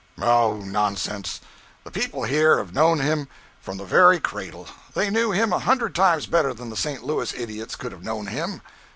'Oh, nonsense! The people here have known him from the very cradle they knew him a hundred times better than the St. Louis idiots could have known him.